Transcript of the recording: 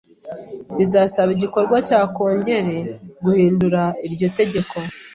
Bizasaba igikorwa cya Kongere guhindura iryo tegeko